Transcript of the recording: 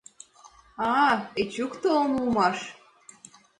А-а-а, Эчук толын улмаш...